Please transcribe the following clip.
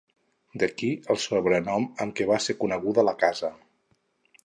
D'aquí el sobrenom amb què va ser coneguda la casa.